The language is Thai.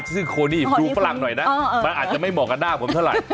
ซึ่งโคนี่ดูฝรั่งหน่อยนะมันอาจจะไม่เหมาะกับหน้าผมเท่าไหร่